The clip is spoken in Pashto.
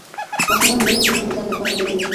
ماشومان د لوبو سامان د ځان لپاره جوړوي.